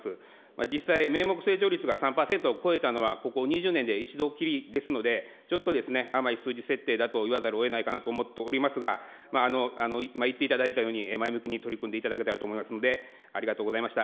実際、名目成長率が３％を超えたのは、ここ２０年で一度きりですので、ちょっと甘い数字設定だと言わざるをえないかなと思っておりますが、今言っていただいたように、前向きに取り組んでいただけたらと思いますので、ありがとうございました。